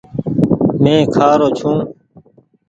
مينٚ کهارو ڇوٚنٚ